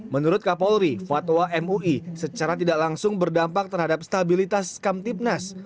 menurut kapolri fatwa mui secara tidak langsung berdampak terhadap stabilitas kamtipnas